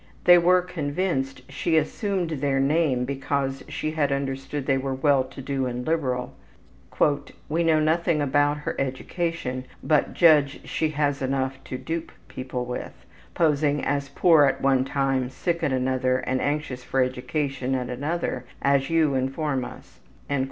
They were convinced she had assumed their name because she had understood they were well to do and liberal. ``We know nothing about her education, but judge she has enough to dupe people with; posing as poor at one time, sick at another, and anxious for an education at another, as you inform us.''